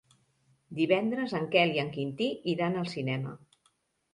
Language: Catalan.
Divendres en Quel i en Quintí iran al cinema.